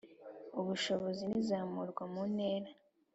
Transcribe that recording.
ubushobozi n’izamurwa mu ntera